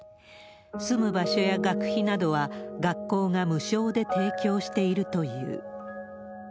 住む場所や学費などは学校が無償で提供しているという。